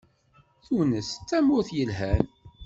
Tunes d tamurt yelhan.